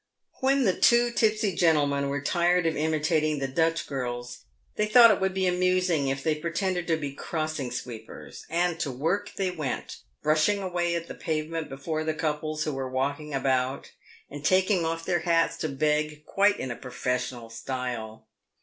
When the two tipsy gentlemen were tired of imitating the Dutch girls, they thought it would be amusing if they pretended to be cross ing sweepers ; and to work they went, brushing away at the pavement before the couples who were walking about, and taking off their hats to beg quite in a professional style.